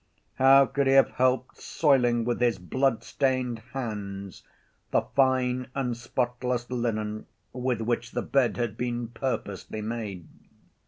How could he have helped soiling with his blood‐ stained hands the fine and spotless linen with which the bed had been purposely made?